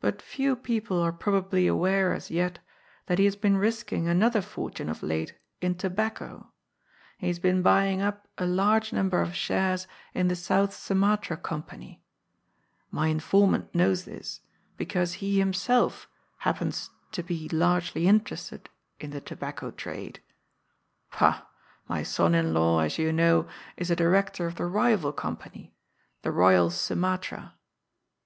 But few people are probably aware as yet that he has been risking another fortune of late in tobacco. He has been buying up a large number of shares in the 380 GOD'S FOOL. South Sumatra Company. Hy mfonnant knows this, be cause he himself happens to be largely interested in the tobacco trade — pah, my son in law, as you know, is a di rector of the rival company, the Boyal Sumatra."